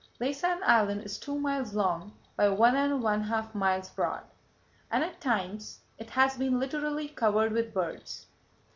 Laysan Island is two miles long by one and one half miles broad, and at times it has been literally covered with birds.